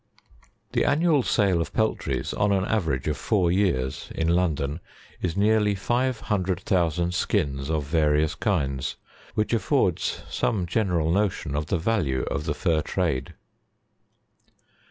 The annual sale of peltries on an average of four years, in London, is nearly five hundred thousand skins of various kinds, which affords some general notion of the value of the fur trade.